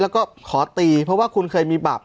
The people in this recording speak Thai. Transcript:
แล้วก็ขอตีเพราะว่าคุณเคยมีบาป